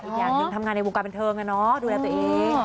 อีกอย่างหนึ่งทำงานในวงการบรรเทิงน่ะเนอะดูแลเต๋อีก